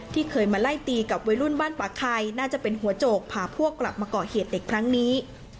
เคยมาไล่ตีกับวัยรุ่นบ้านป่าไข่น่าจะเป็นหัวโจกพาพวกกลับมาก่อเหตุเด็กครั้งนี้